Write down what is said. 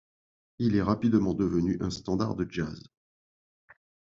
Il est rapidement devenu un standard de jazz.